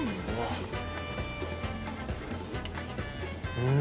うん。